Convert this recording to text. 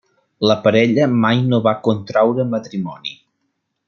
La parella mai no va contreure matrimoni.